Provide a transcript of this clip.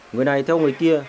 người này theo người kia